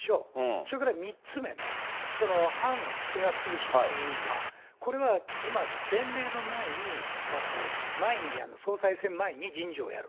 それから３つ目はね、その反菅潰しという意味では、これは今、前例のない、総裁選前に人事をやる。